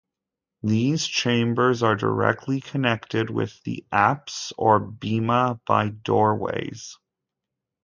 These chambers are directly connected with the apse or bema by doorways.